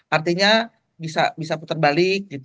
artinya bisa putar balik